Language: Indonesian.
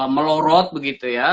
melorot begitu ya